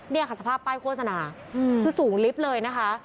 นี่ค่ะสภาพป้ายโฆษณาคือสูงลิฟต์เลยนะคะ